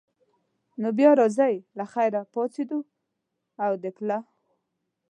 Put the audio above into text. نو بیا راځئ له خیره، پاڅېدو او د پله.